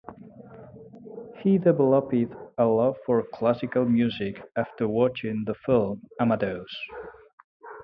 He developed a love for classical music after watching the film "Amadeus".